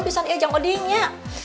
pisan iya jamu ding ya